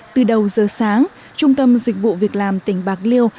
từ đầu giờ sáng trung tâm dịch vụ việt nam tỉnh bạc liêu